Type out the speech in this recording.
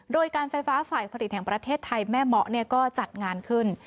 โดยการไฟฟ้าฝ่ายผลิตแห่งประเทศไทยแม่เหมาะก็จัดงานขึ้น